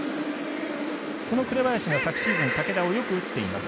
この紅林が昨シーズン、武田をよく打っています。